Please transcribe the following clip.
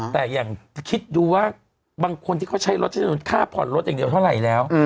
แต่อย่างคิดดูว่าบางคนที่เขาใช้รถใช้ถนนค่าผ่อนรถอย่างเดียวเท่าไหร่แล้ว